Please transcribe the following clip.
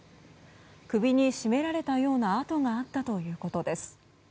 首に絞められたような痕があったということです。